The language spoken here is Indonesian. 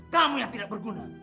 kamu yang tidak berguna